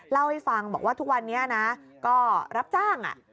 เล่าให้ฟังบอกว่าทุกวันนี้นะก็รับจ้าง